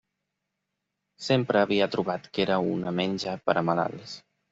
Sempre havia trobat que era una menja per a malalts.